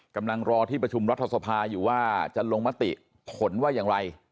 กำลังรอที่ประชุมรัฐสภาอยู่ว่าจะลงมติผลว่าอย่างไร